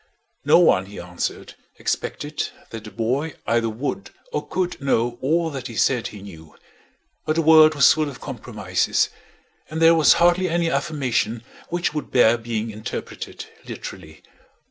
No one, he answered, expected that the boy either would or could know all that he said he knew; but the world was full of compromises; and there was hardly any affirmation which would bear being interpreted literally.